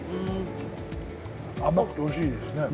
甘くておいしいですね。